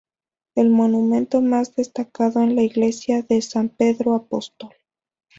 El monumento más destacado es la iglesia de San Pedro Apóstol.